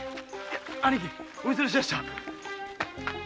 兄貴おみそれしました。